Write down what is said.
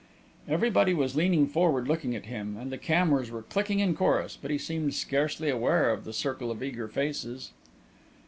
Everybody was leaning forward looking at him, and the cameras were clicking in chorus, but he seemed scarcely aware of the circle of eager faces.